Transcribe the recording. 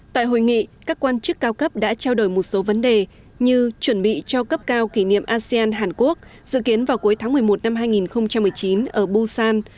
tại hội nghị các quan chức cao cấp đã trao đổi một số vấn đề như chuẩn bị cho cấp cao kỷ niệm asean hàn quốc dự kiến vào cuối tháng một mươi một năm hai nghìn một mươi chín ở busan